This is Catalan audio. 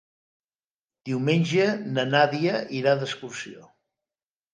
Diumenge na Nàdia irà d'excursió.